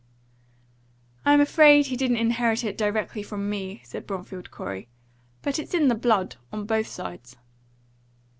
"I'm afraid he didn't inherit it directly from me," said Bromfield Corey; "but it's in the blood, on both sides."